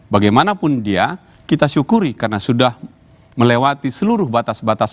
bagaimanapun dia kita syukuri karena sudah melewati seluruh batas batas